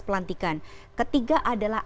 pelantikan ketiga adalah